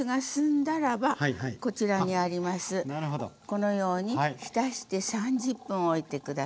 このように浸して３０分おいて下さいませ。